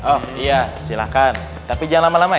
oh iya silahkan tapi jangan lama lama ya